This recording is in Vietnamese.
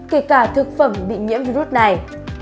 kể cả thực phẩm bị nhiễm virus này